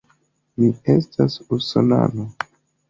Mi estas usonano.